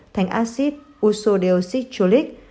thành ácid usodeoxytrolik